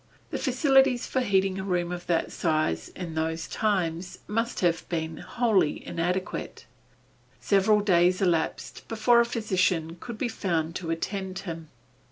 The facilities for heating a room of that size, in those times must have been wholly inadequate. Several days elapsed before a physician could be found to attend him.